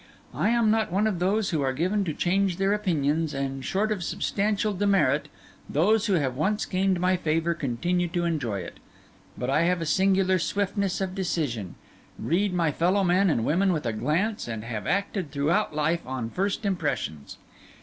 I am not one of those who are given to change their opinions, and short of substantial demerit, those who have once gained my favour continue to enjoy it; but I have a singular swiftness of decision, read my fellow men and women with a glance, and have acted throughout life on first impressions.